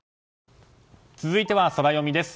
続いてはソラよみです。